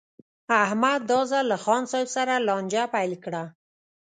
احمد دا ځل له خان صاحب سره لانجه پیل کړه.